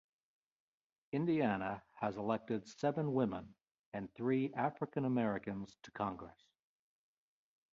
Indiana has elected seven women and three African Americans to Congress.